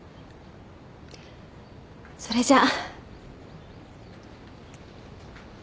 それじゃ。